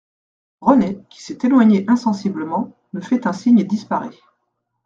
Renée, qui s'est éloignée insensiblement, me fait un signe et disparaît.